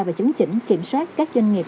và chứng chỉnh kiểm soát các doanh nghiệp